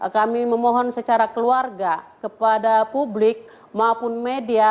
kami memohon secara keluarga kepada publik maupun media